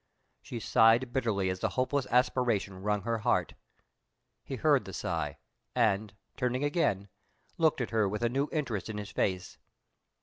She sighed bitterly as the hopeless aspiration wrung her heart. He heard the sigh; and, turning again, looked at her with a new interest in his face.